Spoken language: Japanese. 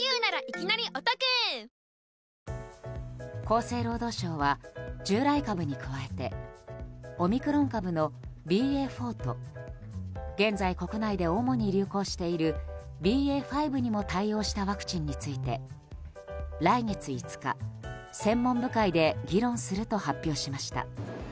厚生労働省は従来株に加えてオミクロン株のＢＡ．４と現在、国内で主に流行しているＢＡ．５にも対応したワクチンについて来月５日、専門部会で議論すると発表しました。